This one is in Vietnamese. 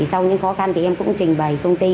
sau những khó khăn thì em cũng trình bày công ty